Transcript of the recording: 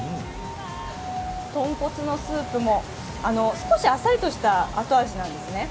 豚骨のスープも、少しあっさりとした後味なんですね。